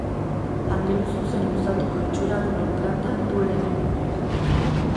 Angeluzuzen luzatuko itxura duen planta du eraikin honek.